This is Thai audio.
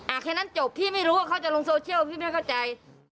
แค่นั้นจบพี่ไม่รู้ว่าเขาจะลงโซเชียลพี่ไม่เข้าใจ